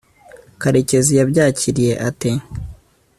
karekezi yabyakiriye ate